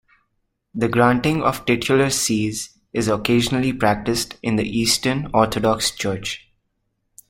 The granting of titular sees is occasionally practised in the Eastern Orthodox Church.